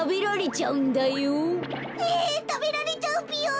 たべられちゃうぴよ。